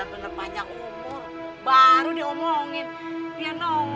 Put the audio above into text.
emang bener bener banyak umur baru diomongin